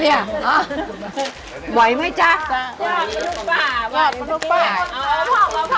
หนึ่งสองซ้ำยาดมนุษย์ป้า